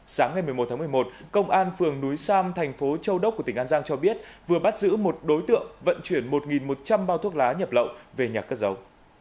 sáng ngày một mươi một tháng một mươi một công an phường núi sam thành phố châu đốc của tỉnh an giang cho biết vừa bắt giữ một đối tượng vận chuyển một một trăm linh bao thuốc lá nhập lậu về nhà cất giấu